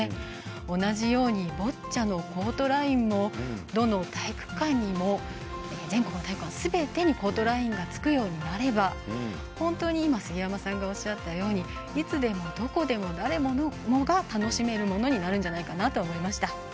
同じようにボッチャのコートラインもどんどん、全国の体育館すべてにコートラインがつくようになれば、本当に杉山さんがおっしゃったようにいつでもどこでも誰もが楽しめるものになるんじゃないかなと思いした。